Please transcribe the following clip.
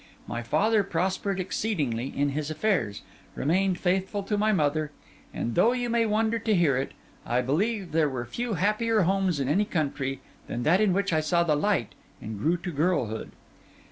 My father prospered exceedingly in his affairs, remained faithful to my mother; and though you may wonder to hear it, I believe there were few happier homes in any country than that in which I saw the light and grew to girlhood.